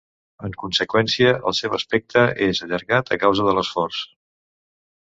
En conseqüència, el seu aspecte és allargat a causa de l'escorç.